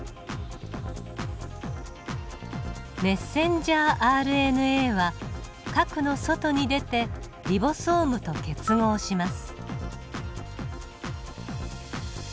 ｍＲＮＡは核の外に出てリボソームと結合します。